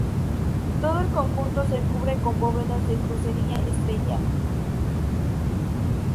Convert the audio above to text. Todo el conjunto se cubre con bóvedas de crucería estrellada.